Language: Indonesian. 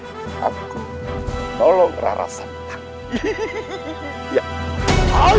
hihihi aku tolong rara santan